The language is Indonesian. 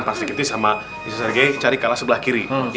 pak sergiti sama mr sergei cari ke arah sebelah kiri